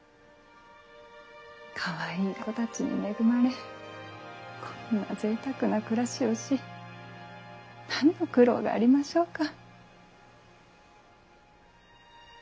かわいい子たちに恵まれこんなぜいたくな暮らしをし何の苦労がありましょうか。